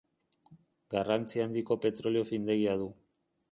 Garrantzi handiko petrolio findegia du.